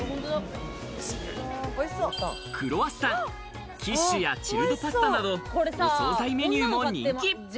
クロワッサン、キッシュやチルドパスタなどお惣菜メニューも人気。